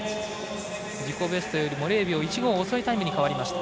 自己ベストより０秒１５遅いタイムに変わりました。